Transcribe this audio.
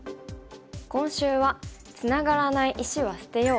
今週は「つながらない石は捨てよう」。